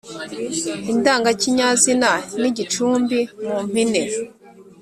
indangakinyazina n’igicumbi. mu mpine